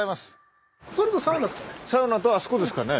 サウナとあそこですかね。